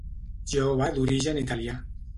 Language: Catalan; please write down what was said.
Jove d'origen italià.